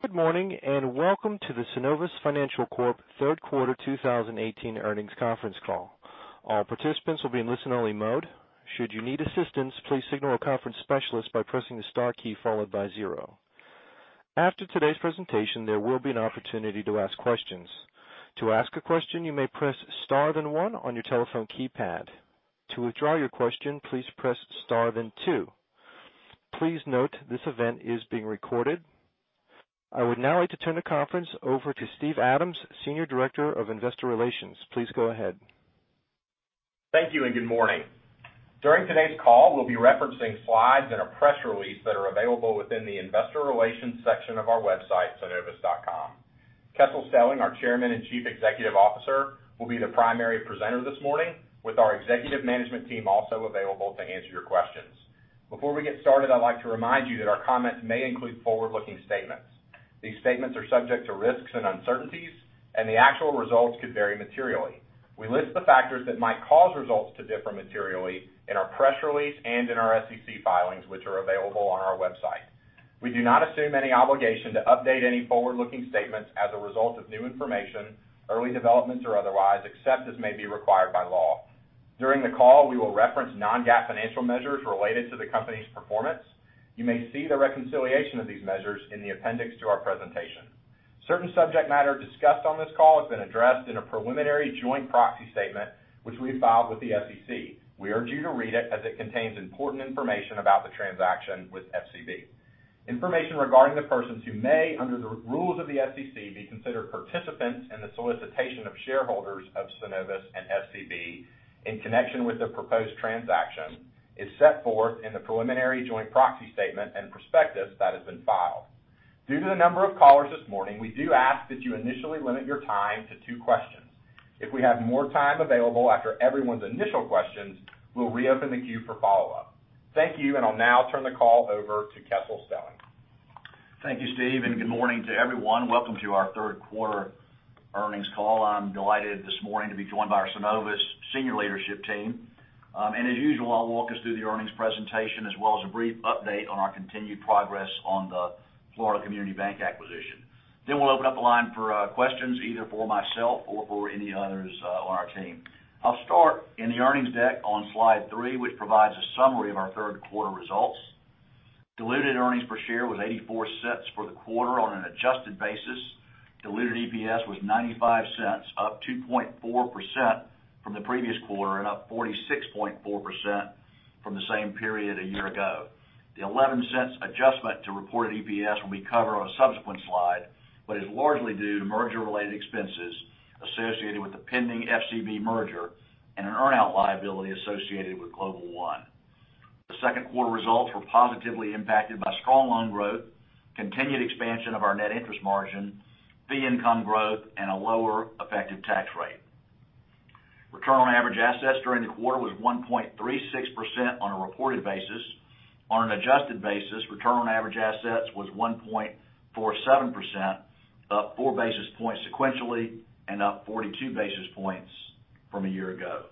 Good morning, welcome to the Synovus Financial Corp. third quarter 2018 earnings conference call. All participants will be in listen-only mode. Should you need assistance, please signal a conference specialist by pressing the star key followed by zero. After today's presentation, there will be an opportunity to ask questions. To ask a question, you may press star, then one on your telephone keypad. To withdraw your question, please press star, then two. Please note this event is being recorded. I would now like to turn the conference over to Steve Adams, Senior Director of Investor Relations. Please go ahead. Thank you, good morning. During today's call, we'll be referencing slides and a press release that are available within the investor relations section of our website, synovus.com. Kessel Stelling, our Chairman and Chief Executive Officer, will be the primary presenter this morning with our executive management team also available to answer your questions. Before we get started, I'd like to remind you that our comments may include forward-looking statements. These statements are subject to risks and uncertainties, the actual results could vary materially. We list the factors that might cause results to differ materially in our press release in our SEC filings, which are available on our website. We do not assume any obligation to update any forward-looking statements as a result of new information, early developments, or otherwise, except as may be required by law. During the call, we will reference non-GAAP financial measures related to the company's performance. You may see the reconciliation of these measures in the appendix to our presentation. Certain subject matter discussed on this call has been addressed in a preliminary joint proxy statement, which we filed with the SEC. We urge you to read it as it contains important information about the transaction with FCB. Information regarding the persons who may, under the rules of the SEC, be considered participants in the solicitation of shareholders of Synovus and FCB in connection with the proposed transaction is set forth in the preliminary joint proxy statement and prospectus that has been filed. Due to the number of callers this morning, we do ask that you initially limit your time to two questions. If we have more time available after everyone's initial questions, we'll reopen the queue for follow-up. Thank you, I'll now turn the call over to Kessel Stelling. Thank you, Steve, and good morning to everyone. Welcome to our third quarter earnings call. I'm delighted this morning to be joined by our Synovus senior leadership team. As usual, I'll walk us through the earnings presentation as well as a brief update on our continued progress on the Florida Community Bank acquisition. We'll open up the line for questions either for myself or for any others on our team. I'll start in the earnings deck on Slide three, which provides a summary of our third quarter results. Diluted earnings per share was $0.84 for the quarter on an adjusted basis. Diluted EPS was $0.95, up 2.4% from the previous quarter and up 46.4% from the same period a year ago. The $0.11 adjustment to reported EPS will be covered on a subsequent slide but is largely due to merger-related expenses associated with the pending FCB merger and an earn-out liability associated with Global One. The second quarter results were positively impacted by strong loan growth, continued expansion of our net interest margin, fee income growth, and a lower effective tax rate. Return on average assets during the quarter was 1.36% on a reported basis. On an adjusted basis, return on average assets was 1.47%, up four basis points sequentially and up 42 basis points from a year ago.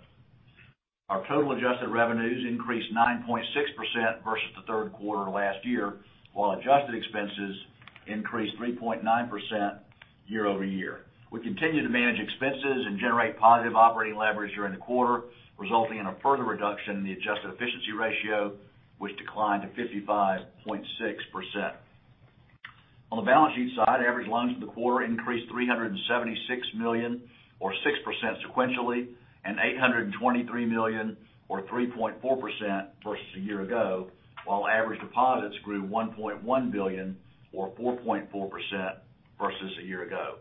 Our total adjusted revenues increased 9.6% versus the third quarter last year, while adjusted expenses increased 3.9% year-over-year. We continued to manage expenses and generate positive operating leverage during the quarter, resulting in a further reduction in the adjusted efficiency ratio, which declined to 55.6%. On the balance sheet side, average loans in the quarter increased $376 million or 6% sequentially and $823 million or 3.4% versus a year ago, while average deposits grew $1.1 billion or 4.4% versus a year ago.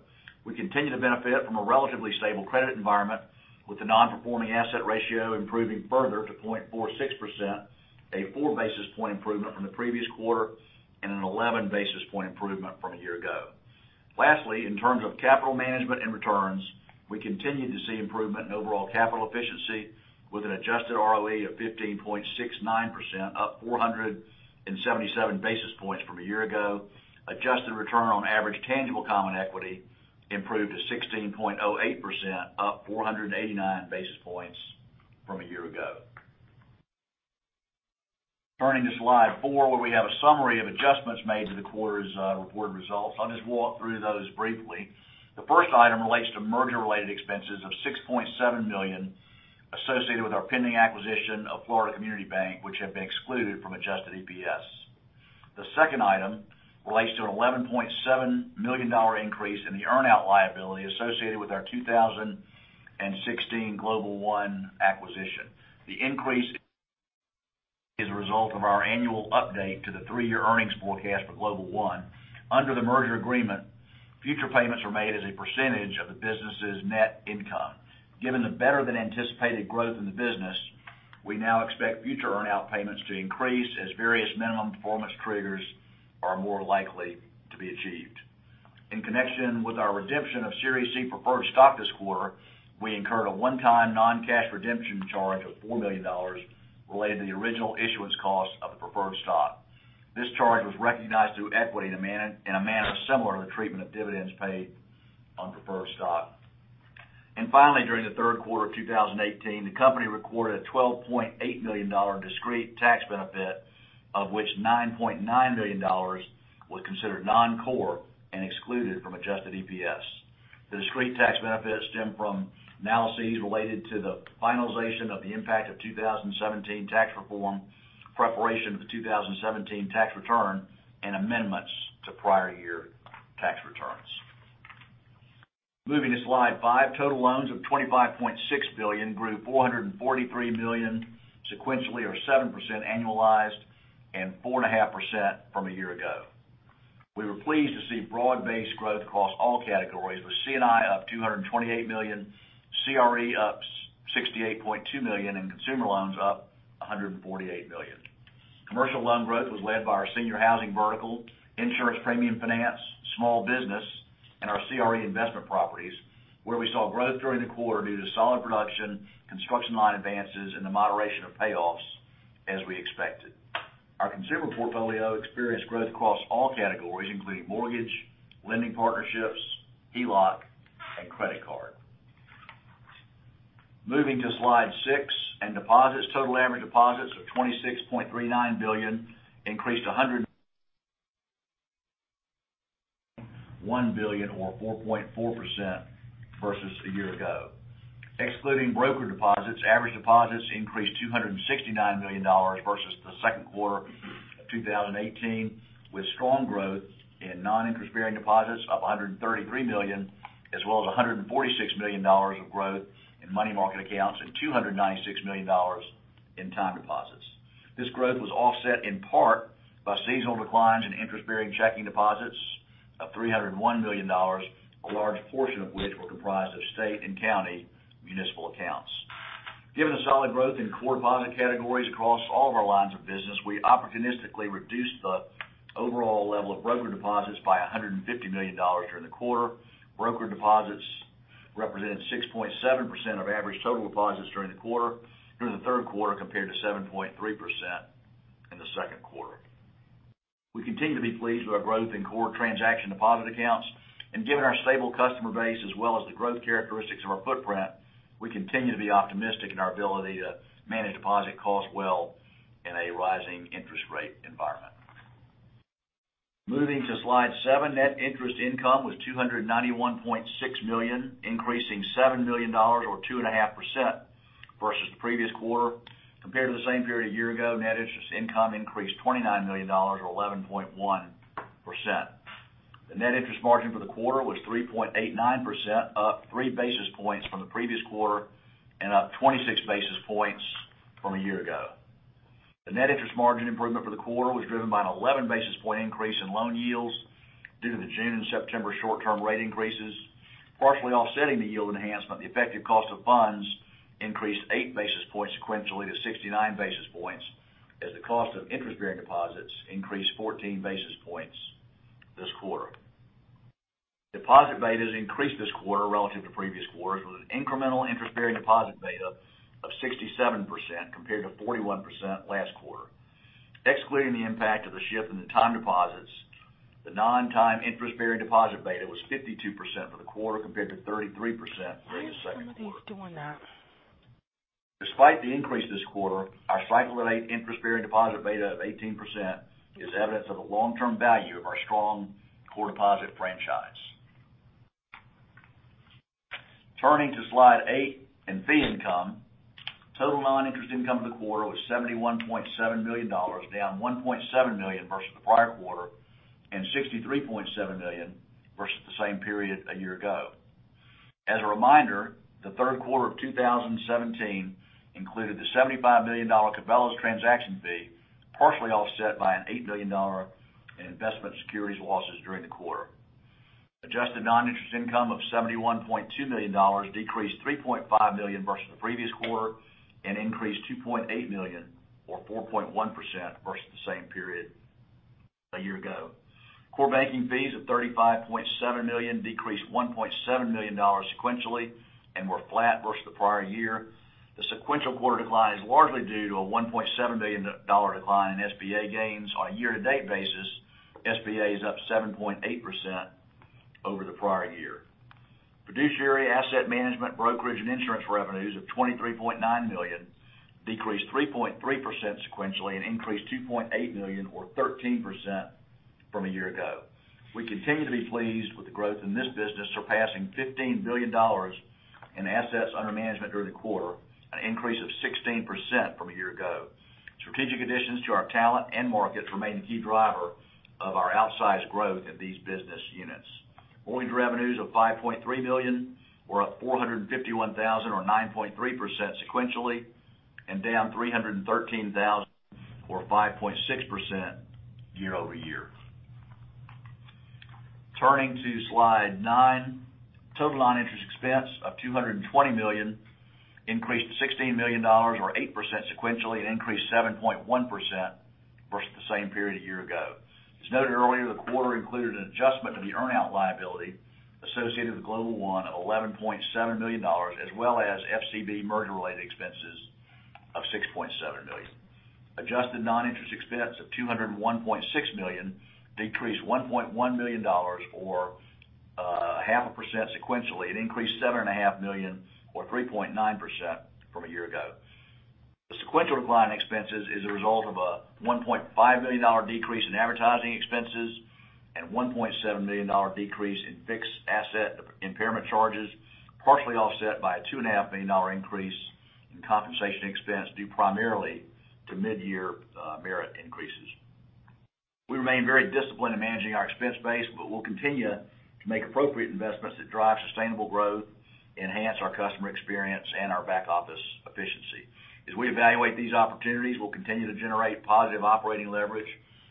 We continue to benefit from a relatively stable credit environment with the non-performing asset ratio improving further to 0.46%, a four basis point improvement from the previous quarter and an 11 basis point improvement from a year ago. Lastly, in terms of capital management and returns, we continued to see improvement in overall capital efficiency with an adjusted ROE of 15.69%, up 477 basis points from a year ago. Adjusted return on average tangible common equity improved to 16.08%, up 489 basis points from a year ago. Turning to Slide four, where we have a summary of adjustments made to the quarter's reported results. I'll just walk through those briefly. The first item relates to merger-related expenses of $6.7 million associated with our pending acquisition of Florida Community Bank, which have been excluded from adjusted EPS. The second item relates to an $11.7 million increase in the earn-out liability associated with our 2016 Global One acquisition. The increase is a result of our annual update to the three-year earnings forecast for Global One. Under the merger agreement, future payments were made as a percentage of the business's net income. Given the better-than-anticipated growth in the business, we now expect future earn-out payments to increase as various minimum performance triggers are more likely to be achieved. In connection with our redemption of Series C preferred stock this quarter, we incurred a one-time non-cash redemption charge of $4 million related to the original issuance cost of the preferred stock. This charge was recognized through equity in a manner similar to the treatment of dividends paid on preferred stock. Finally, during the third quarter of 2018, the company recorded a $12.8 million discrete tax benefit, of which $9.9 million was considered non-core and excluded from adjusted EPS. The discrete tax benefit stemmed from analyses related to the finalization of the impact of 2017 tax reform, preparation of the 2017 tax return, and amendments to prior year tax returns. Moving to slide five, total loans of $25.6 billion grew $443 million sequentially, or 7% annualized, and 4.5% from a year ago. We were pleased to see broad-based growth across all categories, with C&I up $228 million, CRE up $68.2 million, and consumer loans up $148 million. Commercial loan growth was led by our senior housing vertical, insurance premium finance, small business, and our CRE investment properties, where we saw growth during the quarter due to solid production, construction line advances, and the moderation of payoffs as we expected. Our consumer portfolio experienced growth across all categories, including mortgage, lending partnerships, HELOC, and credit card. Moving to slide six and deposits. Total average deposits of $26.39 billion increased $1.1 billion, or 4.4% versus a year ago. Excluding broker deposits, average deposits increased $269 million versus the second quarter of 2018, with strong growth in non-interest-bearing deposits of $133 million, as well as $146 million of growth in money market accounts, and $296 million in time deposits. This growth was offset in part by seasonal declines in interest-bearing checking deposits of $301 million, a large portion of which were comprised of state and county municipal accounts. Given the solid growth in core deposit categories across all of our lines of business, we opportunistically reduced the overall level of broker deposits by $150 million during the quarter. Broker deposits represented 6.7% of average total deposits during the quarter, during the third quarter, compared to 7.3% in the second quarter. We continue to be pleased with our growth in core transaction deposit accounts. Given our stable customer base as well as the growth characteristics of our footprint, we continue to be optimistic in our ability to manage deposit costs well in a rising interest rate environment. Moving to slide seven, net interest income was $291.6 million, increasing $7 million, or 2.5%, versus the previous quarter. Compared to the same period a year ago, net interest income increased $29 million, or 11.1%. The net interest margin for the quarter was 3.89%, up three basis points from the previous quarter and up 26 basis points from a year ago. The net interest margin improvement for the quarter was driven by an 11 basis point increase in loan yields due to the June and September short-term rate increases. Partially offsetting the yield enhancement, the effective cost of funds increased eight basis points sequentially to 69 basis points as the cost of interest-bearing deposits increased 14 basis points this quarter. Deposit betas increased this quarter relative to previous quarters with an incremental interest-bearing deposit beta of 67% compared to 41% last quarter. Excluding the impact of the shift in the time deposits, the non-time interest-bearing deposit beta was 52% for the quarter compared to 33% during the second quarter. Why are some of these doing that? Despite the increase this quarter, our cycle average interest-bearing deposit beta of 18% is evidence of the long-term value of our strong core deposit franchise. Turning to slide eight and fee income. Total non-interest income for the quarter was $71.7 million, down $1.7 million versus the prior quarter, and $63.7 million versus the same period a year ago. As a reminder, the third quarter of 2017 included the $75 million Cabela's transaction fee, partially offset by an $8 million in investment securities losses during the quarter. Adjusted non-interest income of $71.2 million decreased $3.5 million versus the previous quarter and increased $2.8 million or 4.1% versus the same period a year ago. Core banking fees of $35.7 million decreased $1.7 million sequentially and were flat versus the prior year. The sequential quarter decline is largely due to a $1.7 million decline in SBA gains. On a year-to-date basis, SBA is up 7.8% over the prior year. Fiduciary asset management, brokerage, and insurance revenues of $23.9 million decreased 3.3% sequentially and increased $2.8 million or 13% from a year ago. We continue to be pleased with the growth in this business, surpassing $15 billion in assets under management during the quarter, an increase of 16% from a year ago. Strategic additions to our talent and markets remain a key driver of our outsized growth in these business units. Mortgage revenues of $5.3 million, or up $451,000, or 9.3% sequentially, and down $313,000 or 5.6% year-over-year. Turning to slide nine, total non-interest expense of $220 million increased to $16 million or 8% sequentially and increased 7.1% versus the same period a year ago. As noted earlier, the quarter included an adjustment to the earn-out liability associated with Global One of $11.7 million, as well as FCB merger-related expenses of $6.7 million. Adjusted non-interest expense of $201.6 million, decreased $1.1 million or 0.5% sequentially. It increased seven and a half million or 3.9% from a year ago. The sequential decline in expenses is a result of a $1.5 million decrease in advertising expenses and $1.7 million decrease in fixed asset impairment charges, partially offset by a two and a half million dollar increase in compensation expense, due primarily to mid-year merit increases. We'll continue to make appropriate investments that drive sustainable growth, enhance our customer experience, and our back office efficiency. As we evaluate these opportunities, we'll continue to generate positive operating leverage,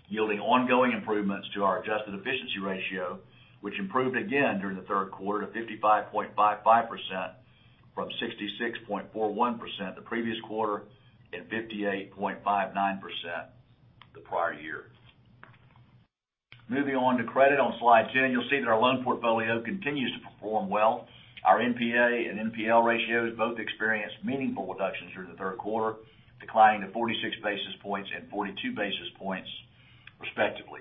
yielding ongoing improvements to our adjusted efficiency ratio, which improved again during the third quarter to 55.55% from 56.41% the previous quarter, and 58.59% the prior year. Moving on to credit on slide 10, you'll see that our loan portfolio continues to perform well. Our NPA and NPL ratios both experienced meaningful reductions through the third quarter, declining to 46 basis points and 42 basis points respectively.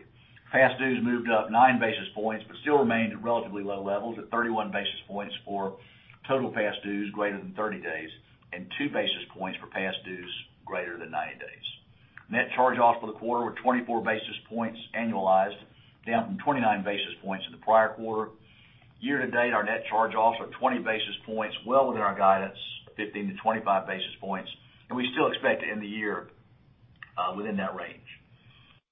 Past dues moved up nine basis points, but still remained at relatively low levels at 31 basis points for total past dues greater than 30 days, and two basis points for past dues greater than 90 days. Net charge-offs for the quarter were 24 basis points annualized, down from 29 basis points to the prior quarter. Year to date, our net charge-offs are 20 basis points, well within our guidance, 15-25 basis points, and we still expect to end the year within that range.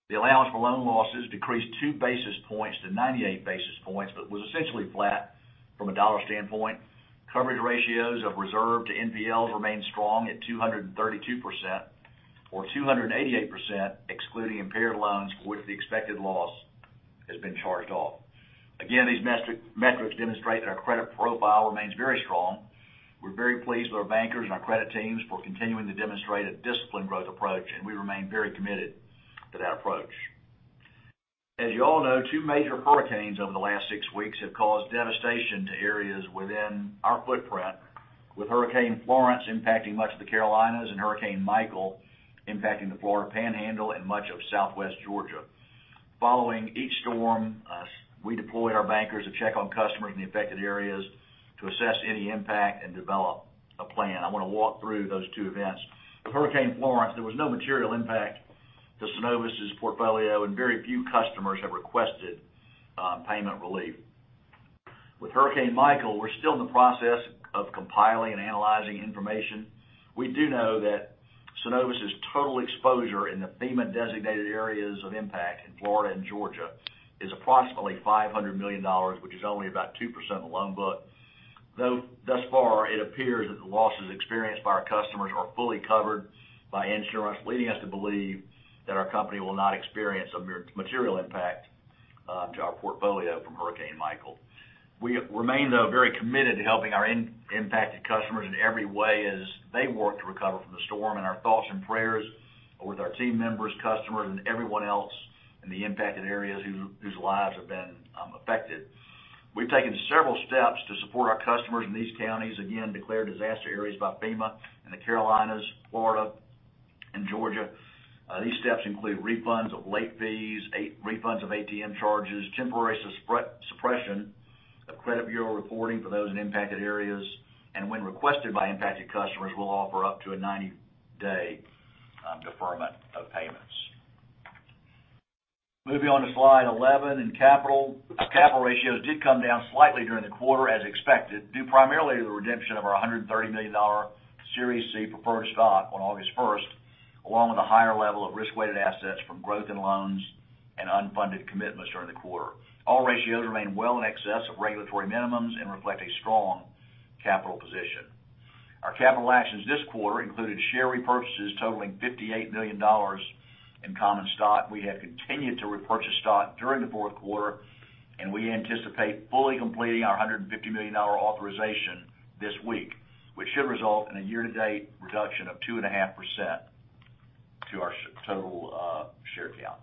The allowance for loan losses decreased two basis points to 98 basis points, but was essentially flat from a $ standpoint. Coverage ratios of reserve to NPLs remain strong at 232%, or 288%, excluding impaired loans for which the expected loss has been charged off. Again, these metrics demonstrate that our credit profile remains very strong. We're very pleased with our bankers and our credit teams for continuing to demonstrate a disciplined growth approach, and we remain very committed to that approach. As you all know, two major hurricanes over the last six weeks have caused devastation to areas within our footprint, with Hurricane Florence impacting much of the Carolinas and Hurricane Michael impacting the Florida Panhandle and much of Southwest Georgia. Following each storm, we deployed our bankers to check on customers in the affected areas to assess any impact and develop a plan. I want to walk through those two events. With Hurricane Florence, there was no material impact to Synovus' portfolio, and very few customers have requested payment relief. With Hurricane Michael, we're still in the process of compiling and analyzing information. We do know that Synovus' total exposure in the FEMA designated areas of impact in Florida and Georgia is approximately $500 million, which is only about 2% of the loan book. Though thus far, it appears that the losses experienced by our customers are fully covered by insurance, leading us to believe that our company will not experience a material impact to our portfolio from Hurricane Michael. We remain, though, very committed to helping our impacted customers in every way as they work to recover from the storm, and our thoughts and prayers are with our team members, customers, and everyone else in the impacted areas whose lives have been affected. We've taken several steps to support our customers in these counties, again, declared disaster areas by FEMA in the Carolinas, Florida, and Georgia. These steps include refunds of late fees, refunds of ATM charges, temporary suppression of credit bureau reporting for those in impacted areas, and when requested by impacted customers, we'll offer up to a 90-day deferment of payments. Moving on to slide 11 in capital. Capital ratios did come down slightly during the quarter as expected, due primarily to the redemption of our $130 million Series C preferred stock on August 1st, along with a higher level of risk-weighted assets from growth in loans and unfunded commitments during the quarter. All ratios remain well in excess of regulatory minimums and reflect a strong capital position. Our capital actions this quarter included share repurchases totaling $58 million in common stock. We have continued to repurchase stock during the fourth quarter, and we anticipate fully completing our $150 million authorization this week, which should result in a year-to-date reduction of 2.5% to our total share count.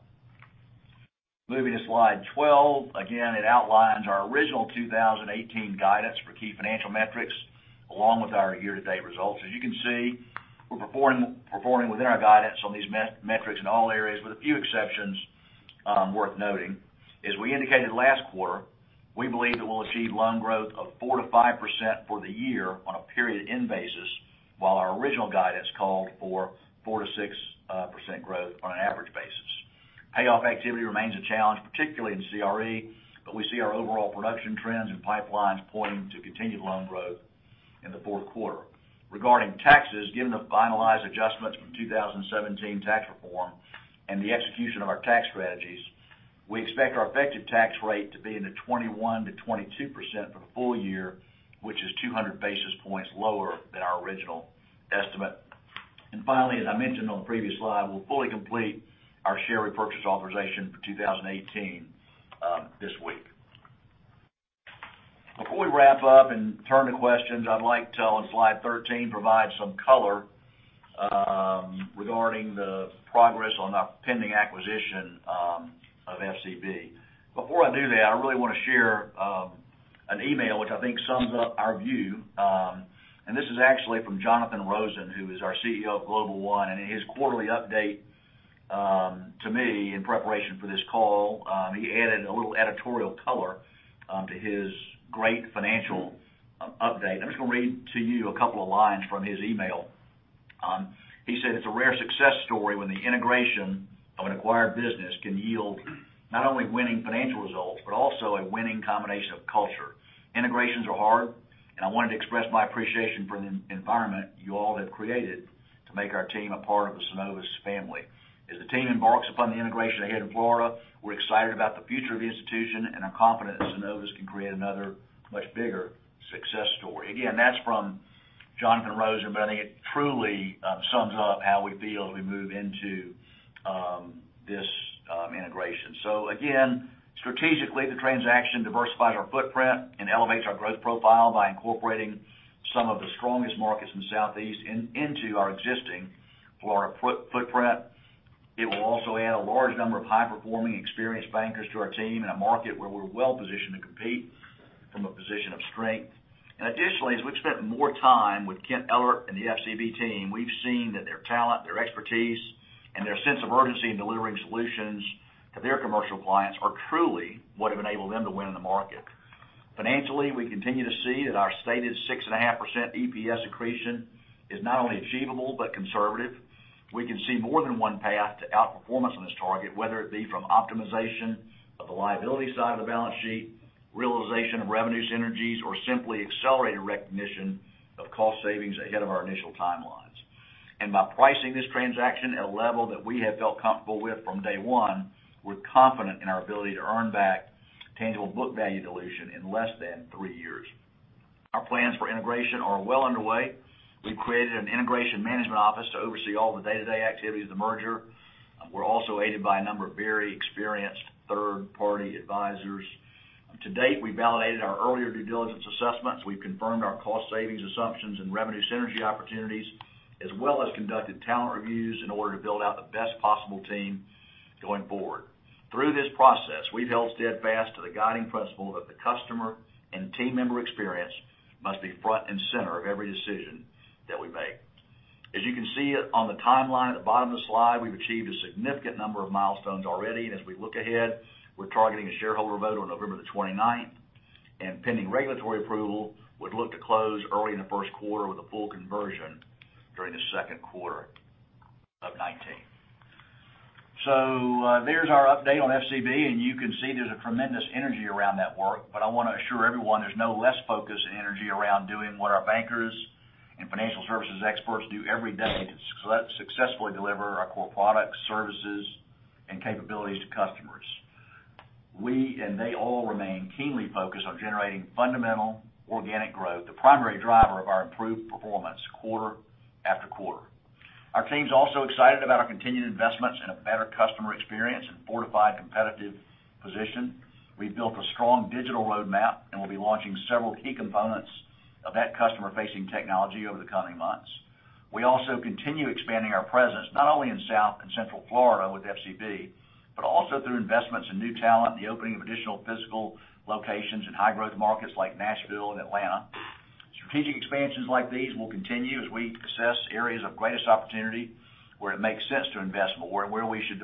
Moving to slide 12. It outlines our original 2018 guidance for key financial metrics along with our year-to-date results. As you can see, we're performing within our guidance on these metrics in all areas with a few exceptions worth noting. As we indicated last quarter, we believe that we'll achieve loan growth of 4%-5% for the year on a period end basis, while our original guidance called for 4%-6% growth on an average basis. Payoff activity remains a challenge, particularly in CRE, but we see our overall production trends and pipelines pointing to continued loan growth in the fourth quarter. Regarding taxes, given the finalized adjustments from 2017 tax reform and the execution of our tax strategies, we expect our effective tax rate to be in the 21%-22% for the full year, which is 200 basis points lower than our original estimate. Finally, as I mentioned on the previous slide, we'll fully complete our share repurchase authorization for 2018 this week. Before we wrap up and turn to questions, I'd like to, on slide 13, provide some color regarding the progress on our pending acquisition of FCB. Before I do that, I really want to share an email, which I think sums up our view, and this is actually from Jonathan Rosen, who is our CEO of Global One, and in his quarterly update to me in preparation for this call, he added a little editorial color to his great financial update. I'm just going to read to you a couple of lines from his email. He said, "It's a rare success story when the integration of an acquired business can yield not only winning financial results but also a winning combination of culture. Integrations are hard, and I wanted to express my appreciation for the environment you all have created to make our team a part of the Synovus family. As the team embarks upon the integration ahead in Florida, we're excited about the future of the institution and are confident that Synovus can create another much bigger success story." That's from Jonathan Rosen, but I think it truly sums up how we feel as we move into this integration. Strategically, the transaction diversifies our footprint and elevates our growth profile by incorporating some of the strongest markets in the Southeast into our existing Florida footprint. It will also add a large number of high-performing experienced bankers to our team in a market where we're well-positioned to compete from a position of strength. Additionally, as we've spent more time with Kent Ellert and the FCB team, we've seen that their talent, their expertise, and their sense of urgency in delivering solutions to their commercial clients are truly what have enabled them to win in the market. Financially, we continue to see that our stated 6.5% EPS accretion is not only achievable but conservative. We can see more than one path to outperformance on this target, whether it be from optimization of the liability side of the balance sheet, realization of revenue synergies, or simply accelerated recognition of cost savings ahead of our initial timelines. By pricing this transaction at a level that we have felt comfortable with from day one, we're confident in our ability to earn back tangible book value dilution in less than three years. Our plans for integration are well underway. We've created an integration management office to oversee all the day-to-day activities of the merger. We're also aided by a number of very experienced third-party advisors. To date, we validated our earlier due diligence assessments. We've confirmed our cost savings assumptions and revenue synergy opportunities, as well as conducted talent reviews in order to build out the best possible team going forward. Through this process, we've held steadfast to the guiding principle that the customer and team member experience must be front and center of every decision that we make. You can see on the timeline at the bottom of the slide, we've achieved a significant number of milestones already, and as we look ahead, we're targeting a shareholder vote on November 29th, and pending regulatory approval, would look to close early in the first quarter with a full conversion during the second quarter of 2019. There's our update on FCB, and you can see there's a tremendous energy around that work, but I want to assure everyone there's no less focus and energy around doing what our bankers and financial services experts do every day to successfully deliver our core products, services, and capabilities to customers. We and they all remain keenly focused on generating fundamental organic growth, the primary driver of our improved performance quarter after quarter. Our team's also excited about our continued investments in a better customer experience and fortified competitive position. We've built a strong digital roadmap, and we'll be launching several key components of that customer-facing technology over the coming months. We also continue expanding our presence not only in South and Central Florida with FCB, but also through investments in new talent and the opening of additional physical locations in high-growth markets like Nashville and Atlanta. Strategic expansions like these will continue as we assess areas of greatest opportunity where it makes sense to invest more and where we should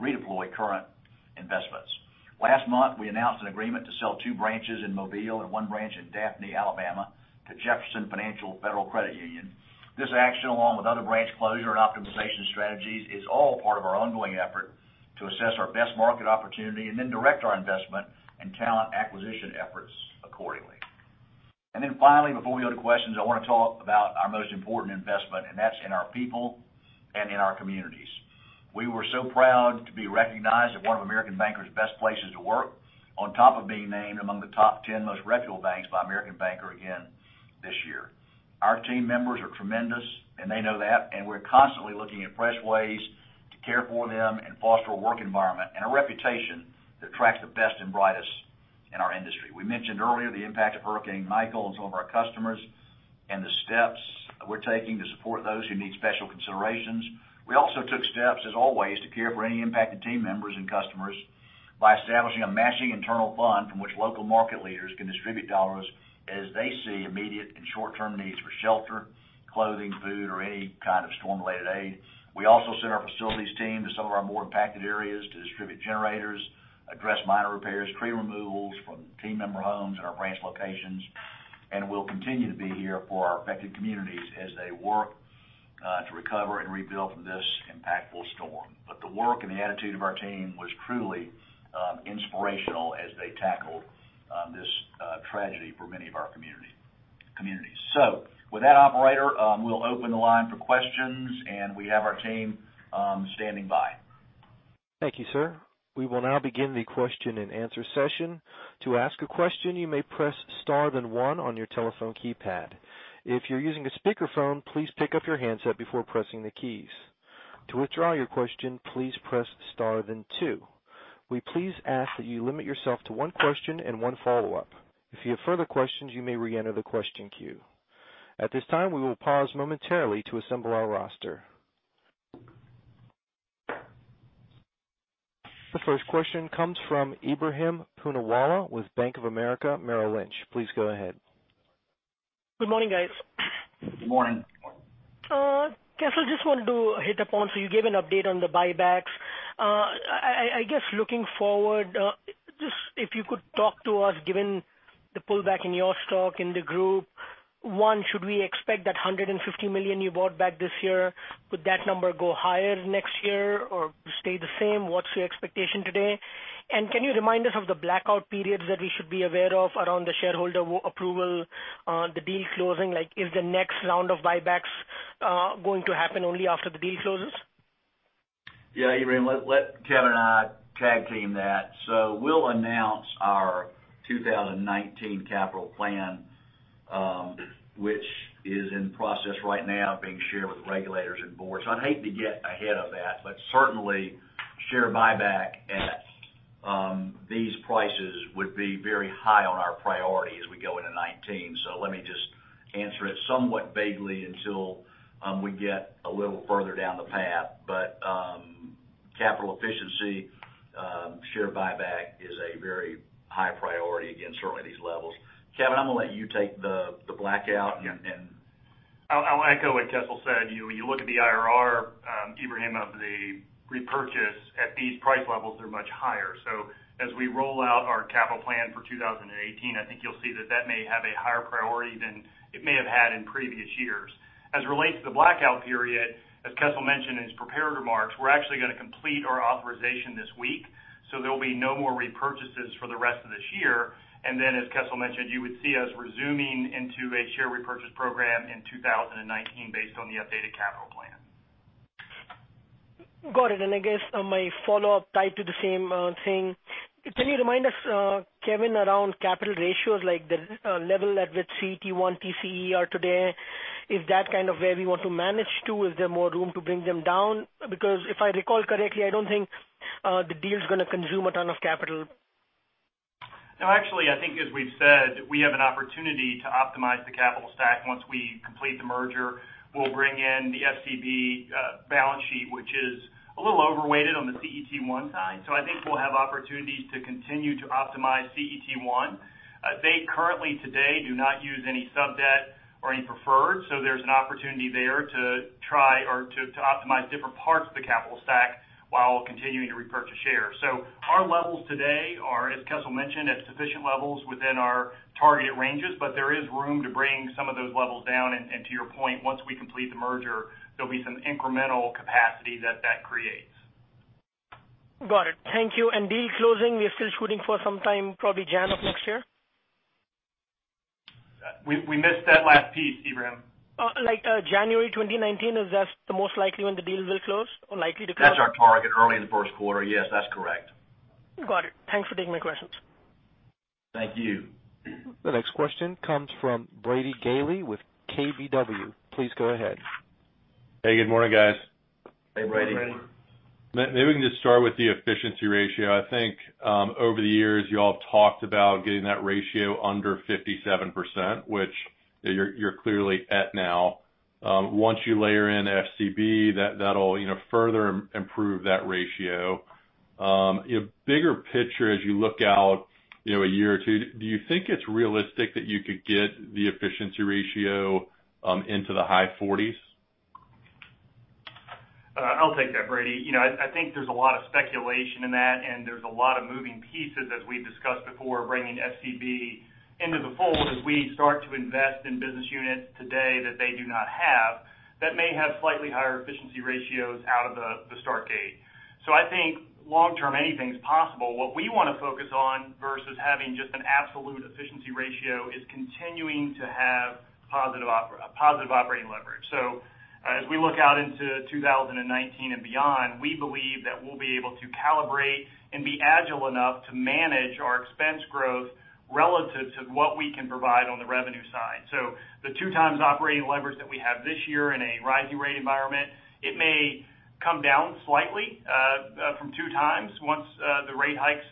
redeploy current investments. Last month, we announced an agreement to sell two branches in Mobile and one branch in Daphne, Alabama, to Jefferson Financial Federal Credit Union. This action, along with other branch closure and optimization strategies, is all part of our ongoing effort to assess our best market opportunity and then direct our investment and talent acquisition efforts accordingly. Then finally, before we go to questions, I want to talk about our most important investment, and that's in our people and in our communities. We were so proud to be recognized as one of American Banker's best places to work on top of being named among the top 10 most reputable banks by American Banker again this year. Our team members are tremendous, and they know that, and we're constantly looking at fresh ways to care for them and foster a work environment and a reputation that attracts the best and brightest in our industry. We mentioned earlier the impact of Hurricane Michael on some of our customers and the steps we're taking to support those who need special considerations. We also took steps, as always, to care for any impacted team members and customers by establishing a matching internal fund from which local market leaders can distribute dollars as they see immediate and short-term needs for shelter, clothing, food, or any kind of storm-related aid. We also sent our facilities team to some of our more impacted areas to distribute generators, address minor repairs, tree removals from team member homes and our branch locations, and we'll continue to be here for our affected communities as they work to recover and rebuild from this impactful storm. The work and the attitude of our team was truly inspirational as they tackled this tragedy for many of our communities. With that, Operator, we'll open the line for questions, and we have our team standing by. Thank you, sir. We will now begin the question and answer session. To ask a question, you may press star then one on your telephone keypad. If you're using a speakerphone, please pick up your handset before pressing the keys. To withdraw your question, please press star then two. We please ask that you limit yourself to one question and one follow-up. If you have further questions, you may reenter the question queue. At this time, we will pause momentarily to assemble our roster. The first question comes from Ebrahim Poonawala with Bank of America Merrill Lynch. Please go ahead. Good morning, guys. Good morning. Kessel, just wanted to hit upon. You gave an update on the buybacks. I guess looking forward, just if you could talk to us, given the pullback in your stock in the group, one, should we expect that $150 million you bought back this year, could that number go higher next year or stay the same? What's your expectation today? Can you remind us of the blackout periods that we should be aware of around the shareholder approval, the deal closing? Is the next round of buybacks going to happen only after the deal closes? Yeah, Ebrahim, let Kevin and I tag team that. We'll announce our 2019 capital plan, which is in process right now of being shared with regulators and boards. I'd hate to get ahead of that, but certainly share buyback at these prices would be very high on our priority as we go into 2019. Let me just answer it somewhat vaguely until we get a little further down the path. Capital efficiency, share buyback is a very high priority against certainly these levels. Kevin, I'm going to let you take the blackout. I'll echo what Kessel said. When you look at the IRR, Ebrahim, of the repurchase at these price levels, they're much higher. As we roll out our capital plan for 2018, I think you'll see that that may have a higher priority than it may have had in previous years. As it relates to the blackout period, as Kessel mentioned in his prepared remarks, we're actually going to complete our authorization this week, there'll be no more repurchases for the rest of this year. Then, as Kessel mentioned, you would see us resuming into a share repurchase program in 2019 based on the updated capital plan. Got it. I guess my follow-up tied to the same thing. Can you remind us, Kevin, around capital ratios, like the level at which CET1, TCE are today, is that kind of where we want to manage to? Is there more room to bring them down? Because if I recall correctly, I don't think the deal is going to consume a ton of capital. No, actually, I think as we've said, we have an opportunity to optimize the capital stack. Once we complete the merger, we'll bring in the FCB balance sheet, which is a little overweighted on the CET1 side. I think we'll have opportunities to continue to optimize CET1. They currently today do not use any sub-debt or any preferred, there's an opportunity there to try or to optimize different parts of the capital stack while continuing to repurchase shares. Our levels today are, as Kessel mentioned, at sufficient levels within our target ranges, but there is room to bring some of those levels down. To your point, once we complete the merger, there'll be some incremental capacity that that creates. Got it. Thank you. Deal closing, we are still shooting for some time, probably Jan of next year? We missed that last piece, Ebrahim. Like January 2019, is this the most likely when the deal will close or likely to close? That's our target, early in the first quarter. Yes, that's correct. Got it. Thanks for taking my questions. Thank you. The next question comes from Brady Gailey with KBW. Please go ahead. Hey, good morning, guys. Hey, Brady. Good morning. Maybe we can just start with the efficiency ratio. I think, over the years, you all have talked about getting that ratio under 57%, which you're clearly at now. Once you layer in FCB, that will further improve that ratio. Bigger picture as you look out a year or two, do you think it is realistic that you could get the efficiency ratio into the high 40s? I will take that, Brady. I think there is a lot of speculation in that, and there is a lot of moving pieces, as we have discussed before, bringing FCB into the fold as we start to invest in business units today that they do not have that may have slightly higher efficiency ratios out of the start gate. I think long term, anything is possible. What we want to focus on versus having just an absolute efficiency ratio is continuing to have positive operating leverage. As we look out into 2019 and beyond, we believe that we will be able to calibrate and be agile enough to manage our expense growth relative to what we can provide on the revenue side. The two times operating leverage that we have this year in a rising rate environment, it may come down slightly from two times once the rate hikes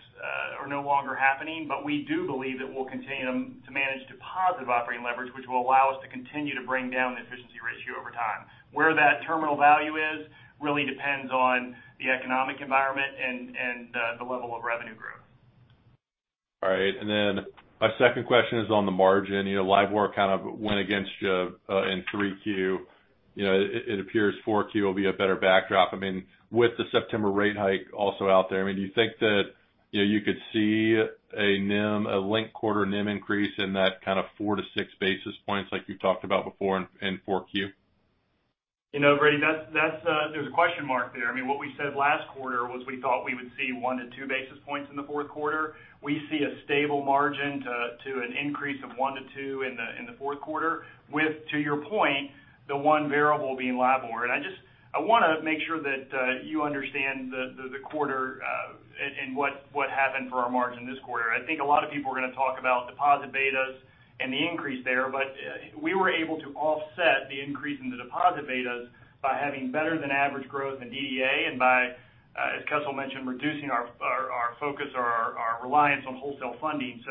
are no longer happening. We do believe that we will continue to manage to positive operating leverage, which will allow us to continue to bring down the efficiency ratio over time. Where that terminal value is really depends on the economic environment and the level of revenue growth. All right. My second question is on the margin. LIBOR kind of went against you in three Q. It appears four Q will be a better backdrop. I mean, with the September rate hike also out there, do you think that you could see a linked-quarter NIM increase in that kind of four to six basis points like you have talked about before in four Q? Brady, there is a question mark there. What we said last quarter was we thought we would see one to two basis points in the fourth quarter. We see a stable margin to an increase of one to two in the fourth quarter with, to your point, the one variable being LIBOR. I want to make sure that you understand the quarter and what happened for our margin this quarter. I think a lot of people are going to talk about deposit betas and the increase there. We were able to offset the increase in the deposit betas by having better than average growth in DDA and by, as Kessel mentioned, reducing our focus or our reliance on wholesale funding.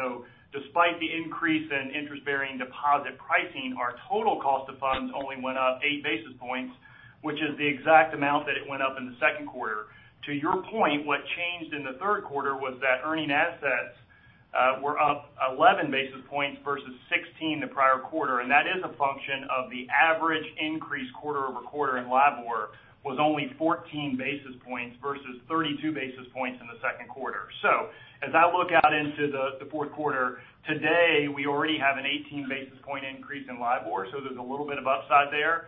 Despite the increase in interest-bearing deposit pricing, our total cost of funds only went up eight basis points, which is the exact amount that it went up in the second quarter. To your point, what changed in the third quarter was that earning assets were up 11 basis points versus 16 the prior quarter, and that is a function of the average increase quarter-over-quarter in LIBOR was only 14 basis points versus 32 basis points in the second quarter. As I look out into the fourth quarter, today, we already have an 18 basis point increase in LIBOR, there is a little bit of upside there.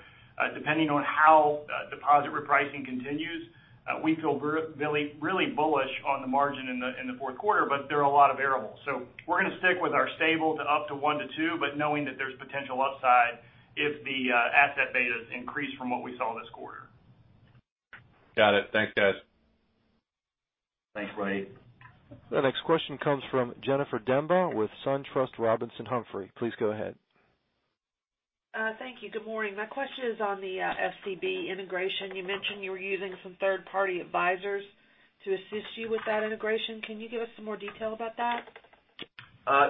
Depending on how deposit repricing continues, we feel really bullish on the margin in the fourth quarter, there are a lot of variables. We are going to stick with our stable to up to one to two, knowing that there is potential upside if the asset betas increase from what we saw this quarter. Got it. Thanks, guys. Thanks, Brady. The next question comes from Jennifer Demba with SunTrust Robinson Humphrey. Please go ahead. Thank you. Good morning. My question is on the FCB integration. You mentioned you were using some third-party advisors to assist you with that integration. Can you give us some more detail about that?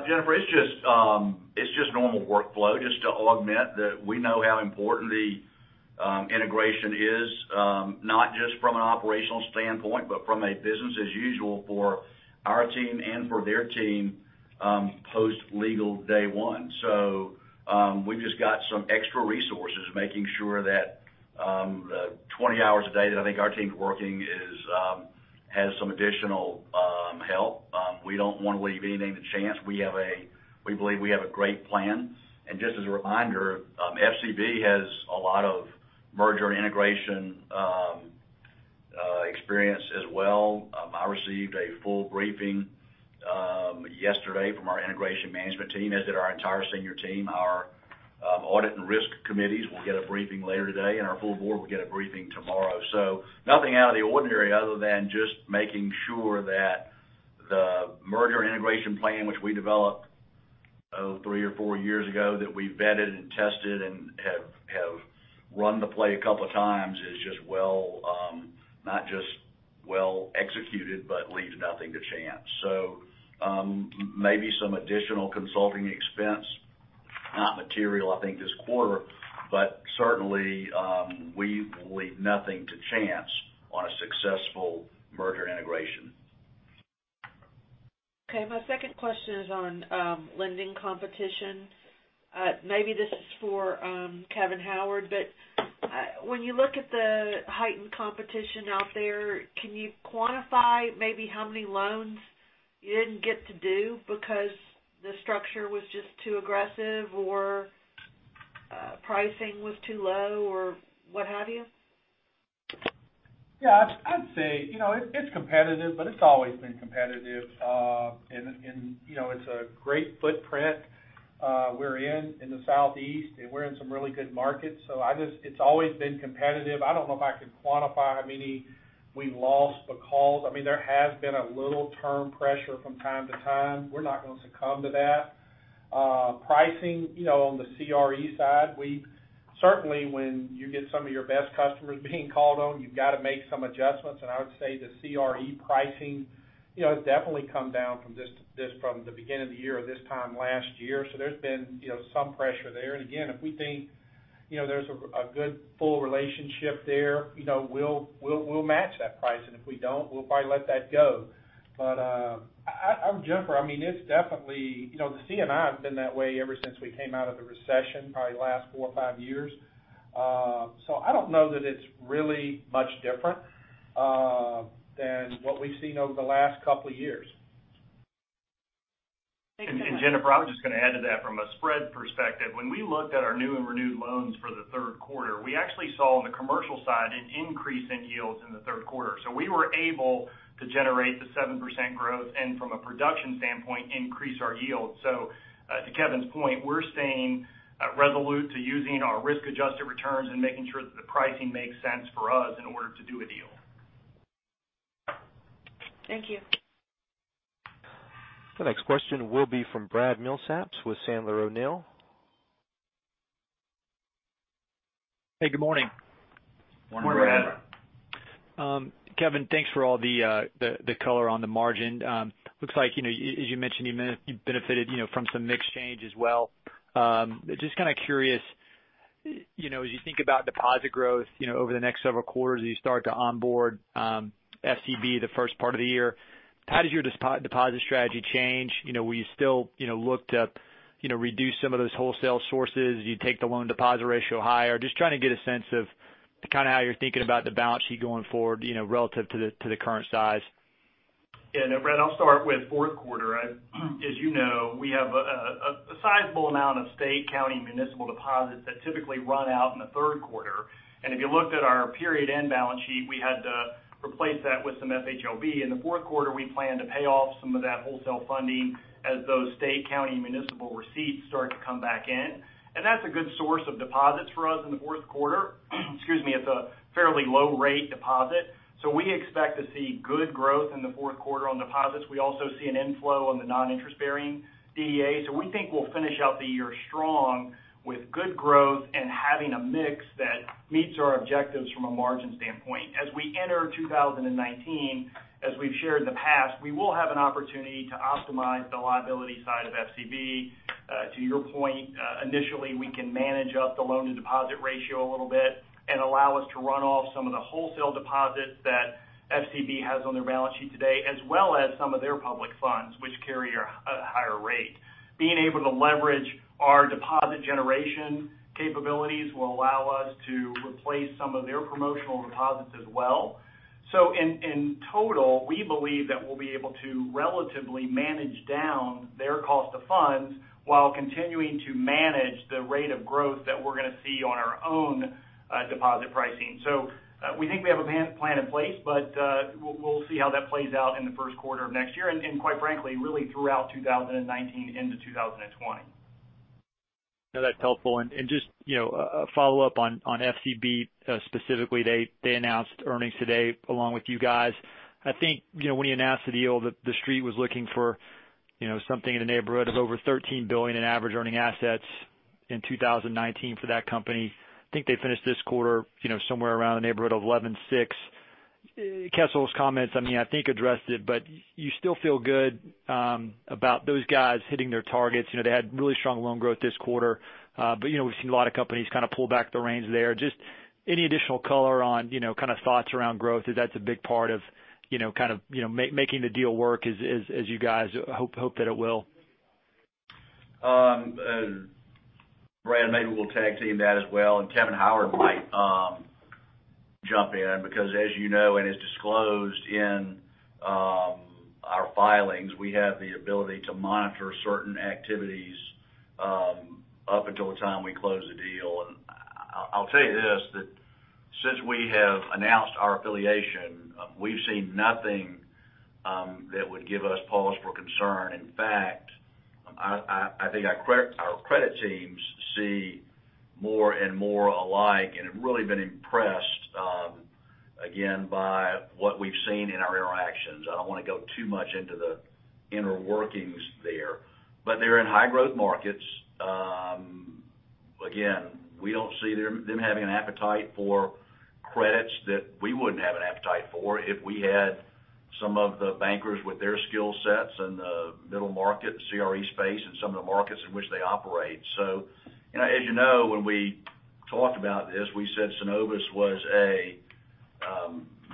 Jennifer, it's just normal workflow just to augment that we know how important the integration is not just from an operational standpoint, but from a business as usual for our team and for their team post legal day one. We've just got some extra resources making sure that the 20 hours a day that I think our team's working has some additional help. We don't want to leave anything to chance. We believe we have a great plan. Just as a reminder, FCB has a lot of merger integration experience as well. I received a full briefing yesterday from our integration management team, as did our entire senior team. Our audit and risk committees will get a briefing later today, and our full board will get a briefing tomorrow. nothing out of the ordinary other than just making sure that the merger integration plan, which we developed three or four years ago that we vetted and tested and have run the play a couple of times is just well, not just well executed, but leaves nothing to chance. maybe some additional consulting expense, not material I think this quarter, but certainly we leave nothing to chance on a successful merger integration. Okay. My second question is on lending competition. Maybe this is for Kevin Howard, when you look at the heightened competition out there, can you quantify maybe how many loans you didn't get to do because the structure was just too aggressive or pricing was too low or what have you? Yeah. I'd say it's competitive, it's always been competitive. It's a great footprint we're in in the Southeast, we're in some really good markets. It's always been competitive. I don't know if I could quantify how many we lost because there has been a little term pressure from time to time. We're not going to succumb to that. Pricing on the CRE side, certainly when you get some of your best customers being called on, you've got to make some adjustments. I would say the CRE pricing has definitely come down from the beginning of the year or this time last year. there's been some pressure there. again, if we think there's a good full relationship there, we'll match that pricing. If we don't, we'll probably let that go. Jennifer, the C&I's been that way ever since we came out of the recession, probably last four or five years. I don't know that it's really much different than what we've seen over the last couple of years. Jennifer, I was just going to add to that from a spread perspective. When we looked at our new and renewed loans for the third quarter, we actually saw on the commercial side an increase in yields in the third quarter. We were able to generate the 7% growth and from a production standpoint, increase our yield. To Kevin's point, we're staying resolute to using our risk-adjusted returns and making sure that the pricing makes sense for us in order to do a deal. Thank you. The next question will be from Brad Milsaps with Sandler O'Neill. Hey, good morning. Morning, Brad. Kevin, thanks for all the color on the margin. Looks like, as you mentioned, you benefited from some mix change as well. Just kind of curious, as you think about deposit growth over the next several quarters as you start to onboard FCB the first part of the year, how does your deposit strategy change? Will you still look to reduce some of those wholesale sources? Do you take the loan deposit ratio higher? Just trying to get a sense of kind of how you're thinking about the balance sheet going forward relative to the current size. Yeah, no, Brad, I'll start with fourth quarter. As you know, we have a sizable amount of state, county, municipal deposits that typically run out in the third quarter. If you looked at our period end balance sheet, we had to replace that with some FHLB. In the fourth quarter, we plan to pay off some of that wholesale funding as those state, county, and municipal receipts start to come back in. That's a good source of deposits for us in the fourth quarter. Excuse me. It's a fairly low rate deposit. We expect to see good growth in the fourth quarter on deposits. We also see an inflow on the non-interest bearing DDA. We think we'll finish out the year strong with good growth and having a mix that meets our objectives from a margin standpoint. As we enter 2019, as we've shared in the past, we will have an opportunity to optimize the liability side of FCB. To your point, initially, we can manage up the loan to deposit ratio a little bit and allow us to run off some of the wholesale deposits that FCB has on their balance sheet today, as well as some of their public funds, which carry a higher rate. Being able to leverage our deposit generation capabilities will allow us to replace some of their promotional deposits as well. In total, we believe that we'll be able to relatively manage down their cost of funds while continuing to manage the rate of growth that we're going to see on our own deposit pricing. We think we have a plan in place, but we'll see how that plays out in the first quarter of next year, and quite frankly, really throughout 2019 into 2020. No, that's helpful. Just a follow-up on FCB specifically, they announced earnings today along with you guys. I think, when you announced the deal, the street was looking for something in the neighborhood of over $13 billion in average earning assets in 2019 for that company. I think they finished this quarter somewhere around the neighborhood of $11.6 billion. Kessel's comments, I think addressed it, but you still feel good about those guys hitting their targets. They had really strong loan growth this quarter. We've seen a lot of companies kind of pull back the reins there. Just any additional color on kind of thoughts around growth, if that's a big part of making the deal work as you guys hope that it will. Brad, maybe we'll tag team that as well, Kevin Howard might jump in because as you know, and is disclosed in our filings, we have the ability to monitor certain activities up until the time we close the deal. I'll tell you this, that since we have announced our affiliation, we've seen nothing that would give us pause for concern. In fact, I think our credit teams see more and more alike and have really been impressed, again, by what we've seen in our interactions. I don't want to go too much into the inner workings there, but they're in high-growth markets. Again, we don't see them having an appetite for credits that we wouldn't have an appetite for if we had some of the bankers with their skill sets in the middle market, CRE space, and some of the markets in which they operate. As you know, when we talked about this, we said Synovus was a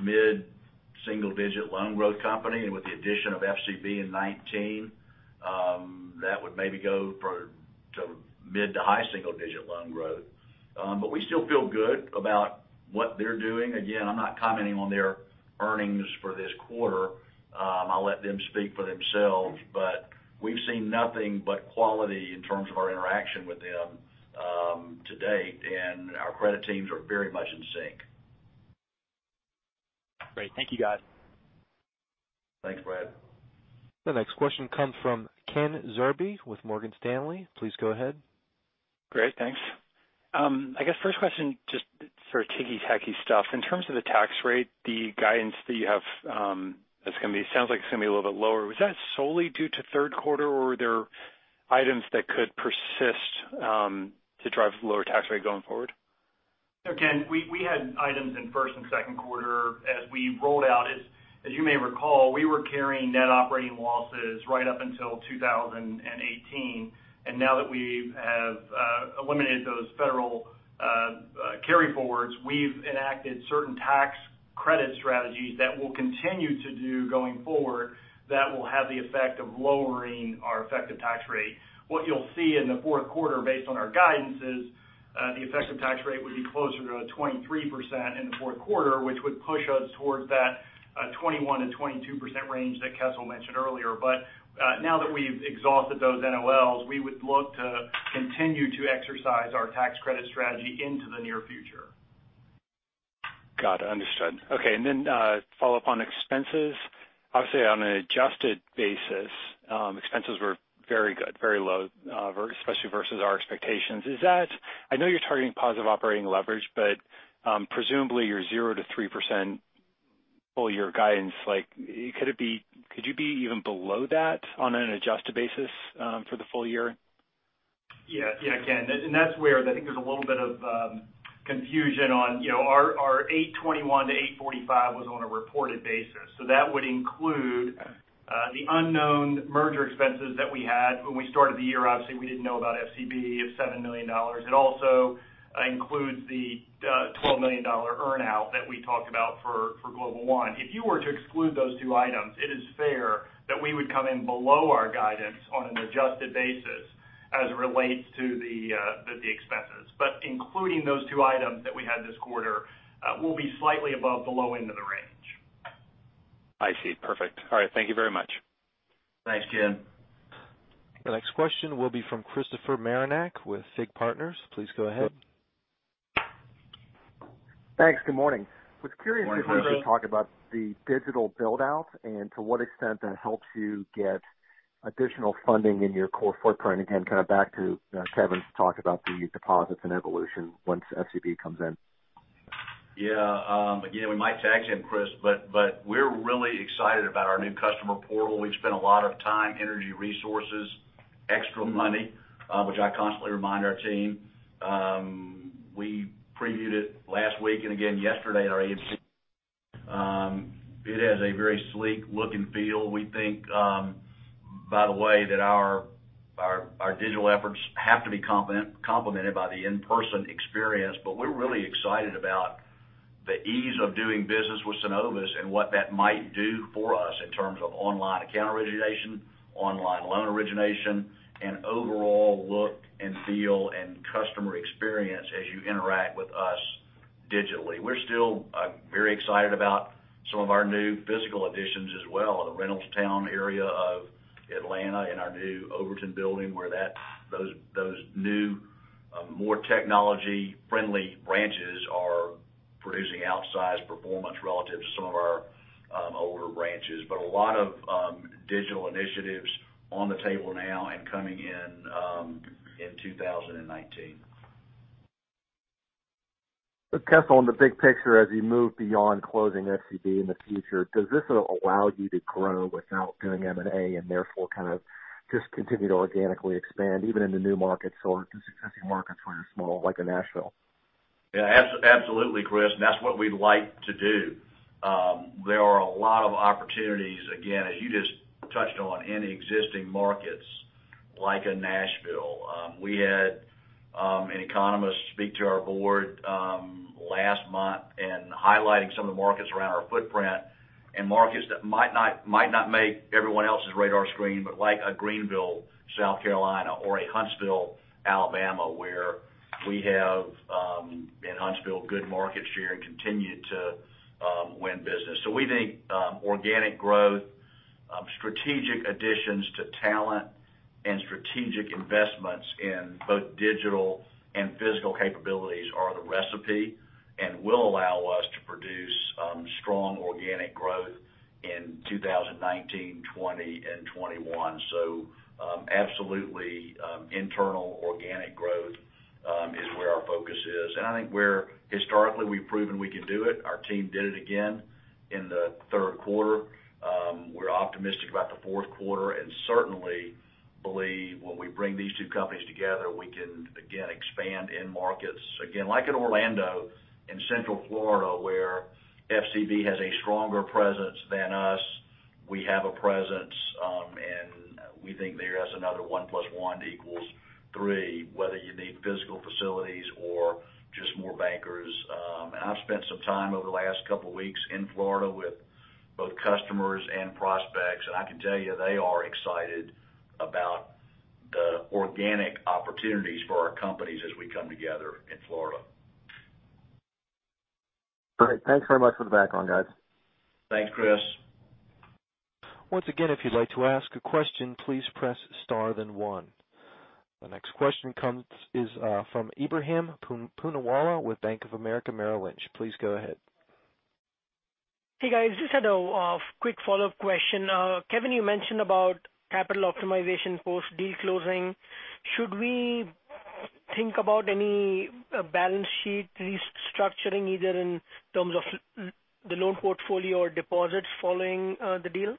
mid-single digit loan growth company, and with the addition of FCB in 2019, that would maybe go to mid to high single digit loan growth. We still feel good about what they're doing. Again, I'm not commenting on their earnings for this quarter. I'll let them speak for themselves, but we've seen nothing but quality in terms of our interaction with them to date, and our credit teams are very much in sync. Great. Thank you guys. Thanks, Brad. The next question comes from Kenneth Zerbe with Morgan Stanley. Please go ahead. Great, thanks. I guess first question, just sort of ticky-tacky stuff. In terms of the tax rate, the guidance that you have, it sounds like it's going to be a little bit lower. Was that solely due to third quarter, or were there items that could persist to drive the lower tax rate going forward? Ken, we had items in first and second quarter as we rolled out. As you may recall, we were carrying Net Operating Losses right up until 2018. Now that we have eliminated those federal carry forwards, we've enacted certain tax credit strategies that we'll continue to do going forward that will have the effect of lowering our effective tax rate. What you'll see in the fourth quarter based on our guidance is the effective tax rate would be closer to 23% in the fourth quarter, which would push us towards that 21%-22% range that Kessel mentioned earlier. Now that we've exhausted those NOLs, we would look to continue to exercise our tax credit strategy into the near future. Got it, understood. Okay, a follow-up on expenses. Obviously, on an adjusted basis, expenses were very good, very low, especially versus our expectations. I know you're targeting positive operating leverage, presumably your 0%-3% full-year guidance, could you be even below that on an adjusted basis for the full year? Ken, that's where I think there's a little bit of confusion on our $821 million-$845 million was on a reported basis. That would include the unknown merger expenses that we had when we started the year. Obviously, we didn't know about FCB of $7 million. It also includes the $12 million earn-out that we talked about for Global One. If you were to exclude those two items, it is fair that we would come in below our guidance on an adjusted basis as it relates to the expenses. Including those two items that we had this quarter, we'll be slightly above the low end of the range. I see. Perfect. All right. Thank you very much. Thanks, Ken. The next question will be from Christopher Marinac with Fig Partners. Please go ahead. Thanks. Good morning. Good morning, Chris. I was curious if you could talk about the digital build-out and to what extent that helps you get additional funding in your core footprint. Again, kind of back to Kevin's talk about the deposits and evolution once FCB comes in. Yeah. Again, we might tag him, Chris, we're really excited about our new customer portal. We've spent a lot of time, energy, resources, extra money, which I constantly remind our team. We previewed it last week and again yesterday at our AMP. It has a very sleek look and feel, we think. By the way, our digital efforts have to be complemented by the in-person experience. We're really excited about the ease of doing business with Synovus and what that might do for us in terms of online account origination, online loan origination, and overall look and feel, and customer experience as you interact with us digitally. We're still very excited about some of our new physical additions as well. The Reynoldstown area of Atlanta and our new Overton building, where those new, more technology-friendly branches are producing outsized performance relative to some of our older branches. A lot of digital initiatives on the table now and coming in 2019. Kessel, in the big picture, as you move beyond closing FCB in the future, does this allow you to grow without doing M&A, and therefore kind of just continue to organically expand even in the new markets or the existing markets where you're small, like in Nashville? Yeah. Absolutely, Chris. That's what we'd like to do. There are a lot of opportunities, again, as you just touched on, in existing markets like in Nashville. We had an economist speak to our board last month and highlighting some of the markets around our footprint and markets that might not make everyone else's radar screen, but like a Greenville, South Carolina or a Huntsville, Alabama, where we have in Huntsville, good market share and continue to win business. We think organic growth, strategic additions to talent, and strategic investments in both digital and physical capabilities are the recipe and will allow us to produce strong organic growth in 2019, 2020, and 2021. Absolutely, internal organic growth is where our focus is. I think where historically we've proven we can do it, our team did it again in the third quarter. We're optimistic about the fourth quarter and certainly believe when we bring these two companies together, we can again expand in markets. Again, like in Orlando, in Central Florida, where FCB has a stronger presence than us. We have a presence, and we think there is another one plus one equals three, whether you need physical facilities or just more bankers. I've spent some time over the last couple of weeks in Florida with both customers and prospects, and I can tell you they are excited about the organic opportunities for our companies as we come together in Florida. Great. Thanks very much for the background, guys. Thanks, Chris. Once again, if you'd like to ask a question, please press star then 1. The next question is from Ebrahim Poonawala with Bank of America Merrill Lynch. Please go ahead. Hey, guys. Just had a quick follow-up question. Kevin, you mentioned about capital optimization post-deal closing. Should we think about any balance sheet restructuring, either in terms of the loan portfolio or deposits following the deal?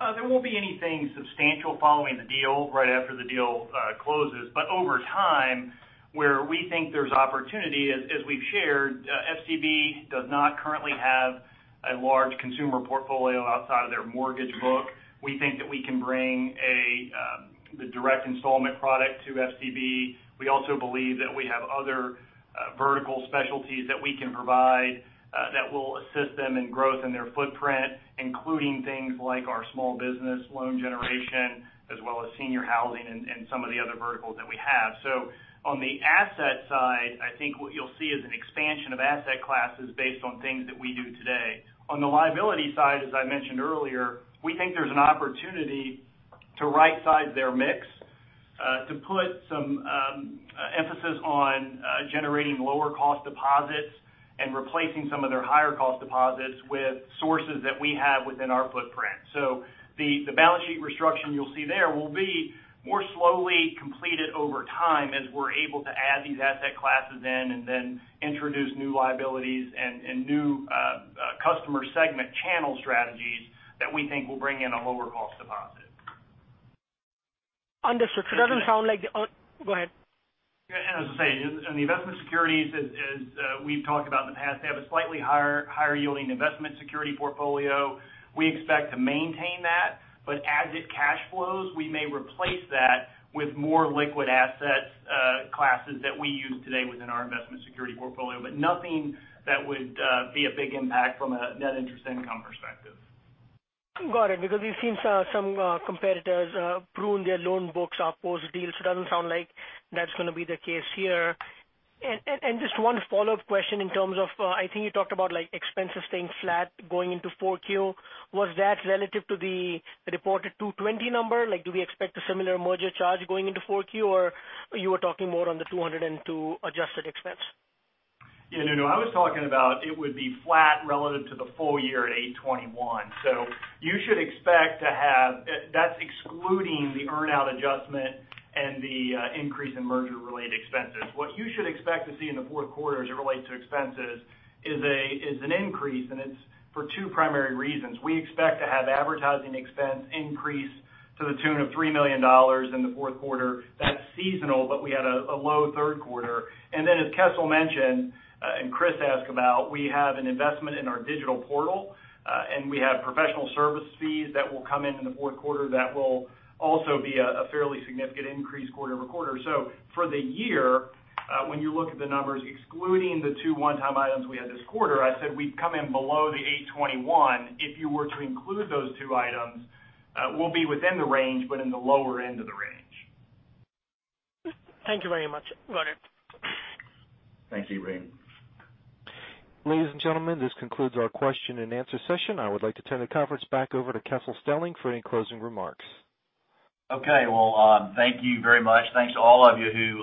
There won't be anything substantial following the deal right after the deal closes. Over time, where we think there's opportunity, as we've shared, FCB does not currently have a large consumer portfolio outside of their mortgage book. We think that we can bring the direct installment product to FCB. We also believe that we have other vertical specialties that we can provide that will assist them in growth in their footprint, including things like our small business loan generation, as well as senior housing and some of the other verticals that we have. On the asset side, I think what you'll see is an expansion of asset classes based on things that we do today. On the liability side, as I mentioned earlier, we think there's an opportunity to right-size their mix, to put some emphasis on generating lower cost deposits and replacing some of their higher cost deposits with sources that we have within our footprint. The balance sheet restructure you'll see there will be more slowly completed over time as we're able to add these asset classes in and then introduce new liabilities and new customer segment channel strategies that we think will bring in a lower cost deposit. Understood. Go ahead. As I say, in the investment securities, as we've talked about in the past, they have a slightly higher yielding investment security portfolio. We expect to maintain that, but as it cash flows, we may replace that with more liquid asset classes that we use today within our investment security portfolio. Nothing that would be a big impact from a net interest income perspective. Got it. We've seen some competitors prune their loan books post-deal, so it doesn't sound like that's going to be the case here. Just one follow-up question in terms of, I think you talked about expenses staying flat going into 4Q. Was that relative to the reported 220 number? Do we expect a similar merger charge going into 4Q, or you were talking more on the 202 adjusted expense? No, I was talking about it would be flat relative to the full year at 821. That's excluding the earn-out adjustment and the increase in merger-related expenses. What you should expect to see in the fourth quarter as it relates to expenses is an increase, and it's for two primary reasons. We expect to have advertising expense increase To the tune of $3 million in the fourth quarter. That's seasonal, but we had a low third quarter. As Kessel mentioned, and Chris asked about, we have an investment in our digital portal, and we have professional service fees that will come in in the fourth quarter that will also be a fairly significant increase quarter-over-quarter. For the year, when you look at the numbers, excluding the two one-time items we had this quarter, I said we'd come in below the $821. If you were to include those two items, we'll be within the range, but in the lower end of the range. Thank you very much. Got it. Thank you, Bram. Ladies and gentlemen, this concludes our question and answer session. I would like to turn the conference back over to Kessel Stelling for any closing remarks. Well, thank you very much. Thanks to all of you who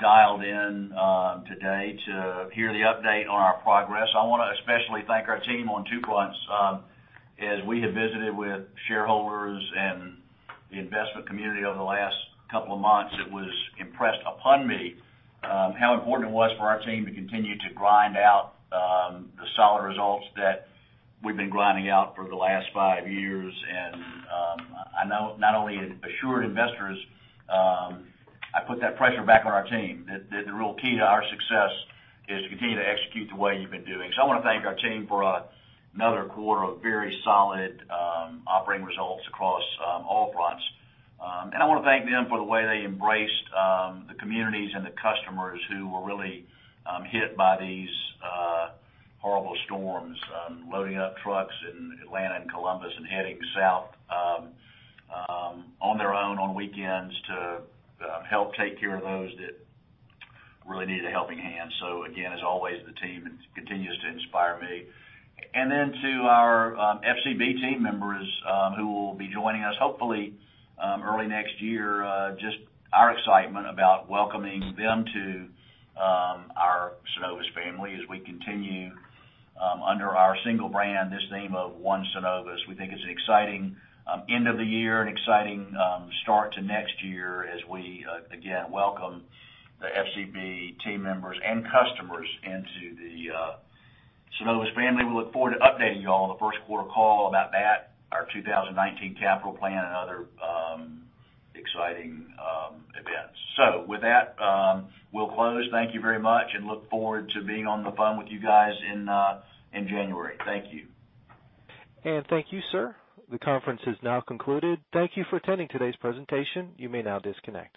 dialed in today to hear the update on our progress. I want to especially thank our team on two fronts. As we have visited with shareholders and the investment community over the last couple of months, it was impressed upon me how important it was for our team to continue to grind out the solid results that we've been grinding out for the last five years. I not only assured investors, I put that pressure back on our team that the real key to our success is to continue to execute the way you've been doing. I want to thank our team for another quarter of very solid operating results across all fronts. I want to thank them for the way they embraced the communities and the customers who were really hit by these horrible storms. Loading up trucks in Atlanta and Columbus and heading south on their own on weekends to help take care of those that really needed a helping hand. Again, as always, the team continues to inspire me. To our FCB team members who will be joining us hopefully early next year, just our excitement about welcoming them to our Synovus family as we continue under our single brand, this name of One Synovus. We think it's an exciting end of the year, an exciting start to next year as we again welcome the FCB team members and customers into the Synovus family. We look forward to updating you all on the first quarter call about that, our 2019 capital plan, and other exciting events. With that, we'll close. Thank you very much, and look forward to being on the phone with you guys in January. Thank you. Thank you, sir. The conference has now concluded. Thank you for attending today's presentation. You may now disconnect.